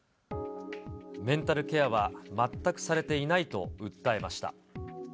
メンタルケアは全くされていないと訴えました。